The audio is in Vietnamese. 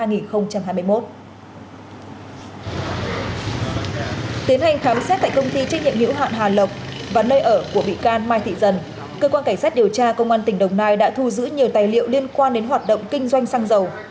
tiến hành khám xét tại công ty trách nhiệm hữu hạn hà lộc và nơi ở của bị can mai thị dần cơ quan cảnh sát điều tra công an tỉnh đồng nai đã thu giữ nhiều tài liệu liên quan đến hoạt động kinh doanh xăng dầu